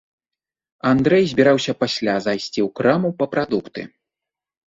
Андрэй збіраўся пасля зайсці ў краму па прадукты.